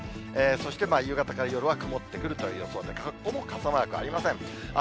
そして夕方から夜は曇ってくるという予想で、ここも傘マークありません。